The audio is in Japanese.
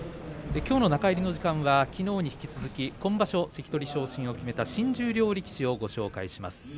きょうの中入りの時間はきのうに引き続き、今場所関取昇進を決めた新十両力士をご紹介します。